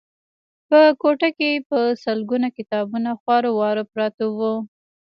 په کوټه کې په سلګونه کتابونه خواره واره پراته وو